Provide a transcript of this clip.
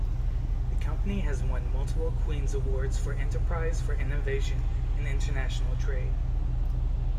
The company has won multiple Queen's Awards for Enterprise for innovation and international trade.